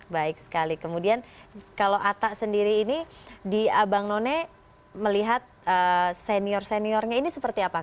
baik sekali kemudian kalau atta sendiri ini di abang none melihat senior seniornya ini seperti apa